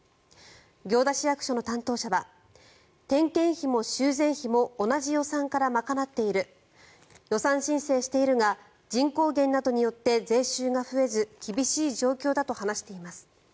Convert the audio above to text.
行田市役所の担当者は点検費も修繕費も同じ予算から賄っている予算申請しているが人口減などによって税収が増えず、厳しい状況だと話しています。